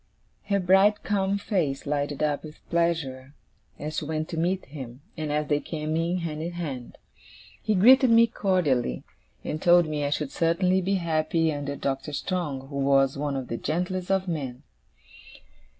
Her bright calm face lighted up with pleasure as she went to meet him, and as they came in, hand in hand. He greeted me cordially; and told me I should certainly be happy under Doctor Strong, who was one of the gentlest of men.